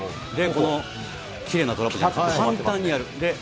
このきれいなトラップを簡単にやる。